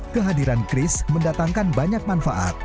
kehadiran chris mendatangkan banyak manfaat